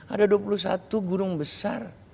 ada dua puluh satu gunung besar